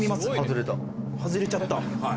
ハズれちゃった。